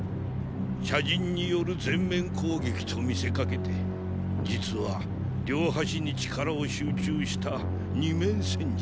斜陣による全面攻撃と見せかけて実は両端に力を集中した“二面戦術”。